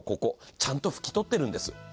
ちゃんと拭き取ってるんです。